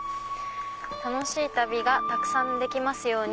楽しい旅がたくさんできますように。